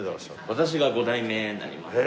私が５代目になります。